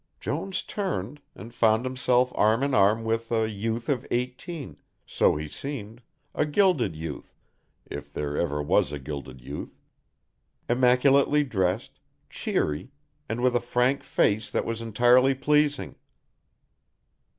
Jones turned, and found himself arm in arm with a youth of eighteen so he seemed, a gilded youth, if there ever was a gilded youth, immaculately dressed, cheery, and with a frank face that was entirely pleasing.